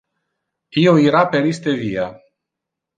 Io ira per iste via.